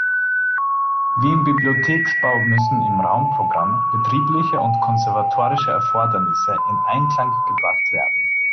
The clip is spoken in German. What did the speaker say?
Wie im Bibliotheksbau müssen im Raumprogramm betriebliche und konservatorische Erfordernisse in Einklang gebracht werden.